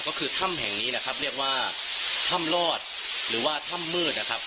ก็คือถ้ำแห่งนี้นะครับเรียกว่าถ้ำรอดหรือว่าถ้ำมืดนะครับ